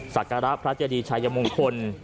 ศักระพระทะเยดีชายธรรมคน